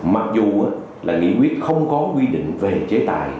mặc dù là nghị quyết không có quy định về chế tài